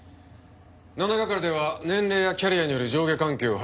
７係では年齢やキャリアによる上下関係を排除する。